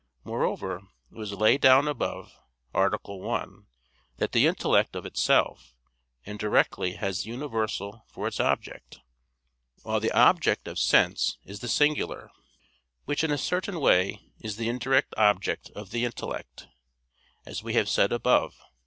Moreover it was laid down above (A. 1) that the intellect of itself and directly has the universal for its object; while the object of sense is the singular, which in a certain way is the indirect object of the intellect, as we have said above (A.